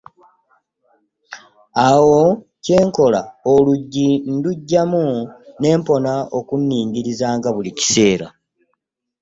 Awo kye nkola oluggi nduggyamu ne mpona okunningirizanga buli kaseera.